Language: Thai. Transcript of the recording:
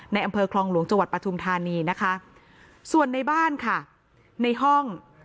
อำเภอคลองหลวงจังหวัดปฐุมธานีนะคะส่วนในบ้านค่ะในห้อง